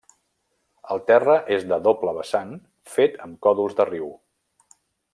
El terra és de doble vessant fet amb còdols de riu.